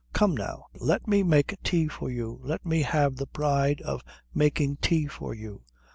Come now. Let me make tea for you. Let me have the pride of making tea for you."